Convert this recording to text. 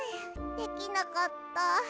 できなかった。